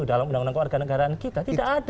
dalam undang undang warga negara kita tidak ada